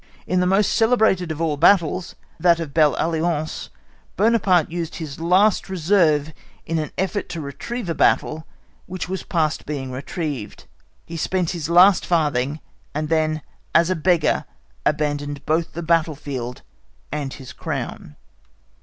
In the most celebrated of all battles, that of Belle Alliance, Buonaparte used his last reserve in an effort to retrieve a battle which was past being retrieved. He spent his last farthing, and then, as a beggar, abandoned both the battle field and his crown.